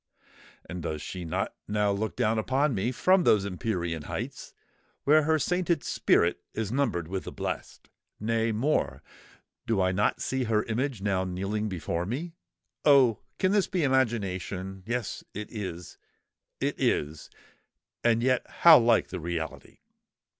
And does she not now look down upon me from those empyrean heights where her sainted spirit is numbered with the blest? Nay, more; do I not see her image now kneeling before me? Oh! can this be imagination? Yes—it is,—it is,—and yet how like the reality!"